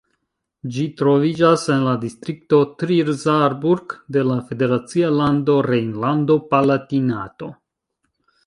Ĝi troviĝas en la distrikto Trier-Saarburg de la federacia lando Rejnlando-Palatinato.